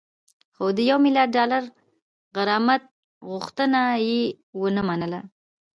خو د یو میلیارد ډالري غرامت غوښتنه یې ونه منله